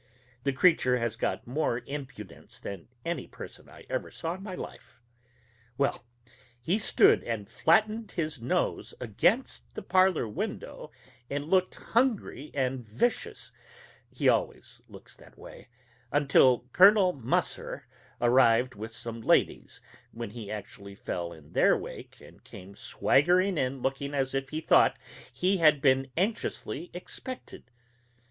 The creature has got more impudence than any person I ever saw in my life. Well, he stood and flattened his nose against the parlor window, and looked hungry and vicious he always looks that way until Colonel Musser arrived with some ladies, when he actually fell in their wake and came swaggering in looking as if he thought he had been anxiously expected.